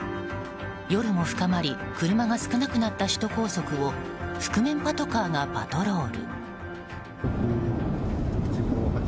夜も深まり車が少なくなった首都高速を覆面パトカーがパトロール。